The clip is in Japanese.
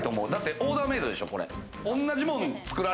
オーダーメイドでしょ？